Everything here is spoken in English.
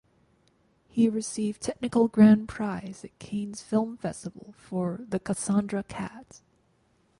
He received Technical Grand Prize at Cannes film festival for "The Cassandra Cat".